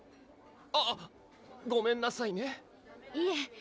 あっごめんなさいねいえ